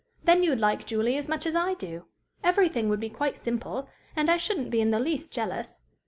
Then you'd like Julie as much as I do; everything would be quite simple; and I shouldn't be in the least jealous.